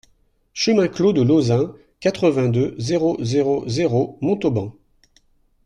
Chemin Clos de Lauzin, quatre-vingt-deux, zéro zéro zéro Montauban